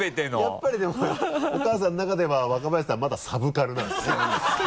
やっぱりでもお母さんの中では若林さんはまだサブカルなんですね